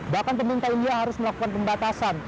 bahkan pemerintah india harus melakukan pembatasan